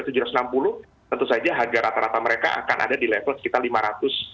tentu saja harga rata rata mereka akan ada di level sekitar lima ratus lima ratus lima puluh